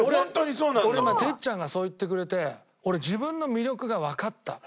俺今哲ちゃんがそう言ってくれて俺自分の魅力がわかった。